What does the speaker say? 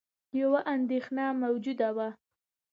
یوه اندېښنه موجوده وه